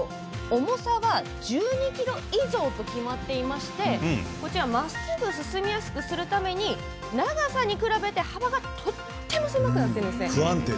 重さは１２ｋｇ以上と決まっていましてまっすぐ進みやすくするために長さに比べて幅が、とっても狭くなっているんですね。